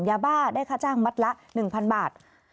ยาบ้าได้ค่าจ้างมัดละ๑๐๐บาท